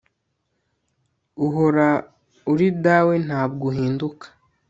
uhora uri dawe ntabwo uhinduka